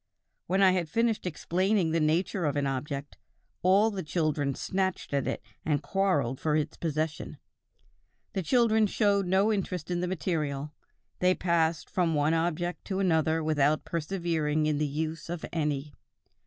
When I had finished explaining the nature of an object, all the children snatched at it and quarreled for its possession. The children showed no interest in the material: they passed from one object to another without persevering in the use of any....